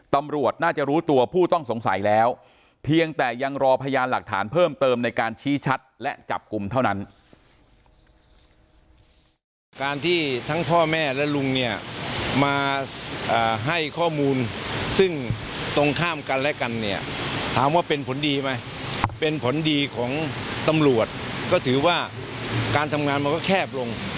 ตำรวจน่าจะรู้ตัวผู้ต้องสงสัยแล้วเพียงแต่ยังรอพยานหลักฐานเพิ่มเติมในการชี้ชัดและจับกลุ่มเท่านั้น